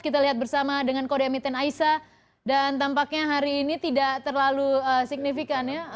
kita lihat bersama dengan kode emiten aisa dan tampaknya hari ini tidak terlalu signifikan ya